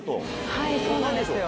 はい、そうなんですよ。